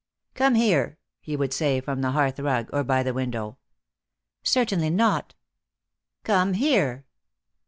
"Come here," he would say, from the hearth rug, or by the window. "Certainly not." "Come here."